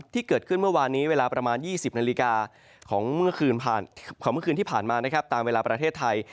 ที่เกิดขึ้นเมื่อวานนี้เวลาประมาณ๒๐นาฬิกาของเมื่อคืนที่ผ่านมานะครับตามเวลาประเทศไทย